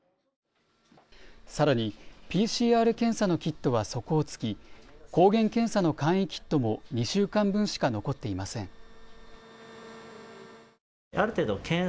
さらにＰＣＲ検査のキットは底をつき抗原検査の簡易キットも２週間分しか残っていません。